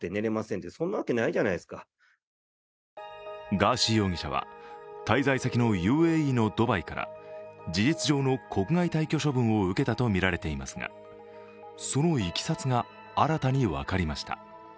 ガーシー容疑者は滞在先のＵＡＥのドバイから事実上の国外退去処分を受けたとみられていますがそのいきさつが新たに分かりました。